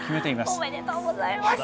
おめでとうございます！